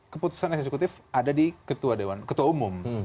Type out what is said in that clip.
keputusan eksekutif ada di ketua dewan ketua umum